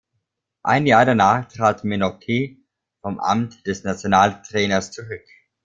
Ein Jahr danach trat Menotti vom Amt des Nationaltrainers zurück.